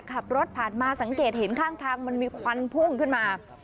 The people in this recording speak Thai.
ขับรถผ่านมาสังเกตเห็นข้างทางมันมีควันพุ่งขึ้นมา